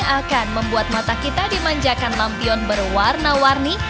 akan membuat mata kita dimanjakan lampion berwarna warni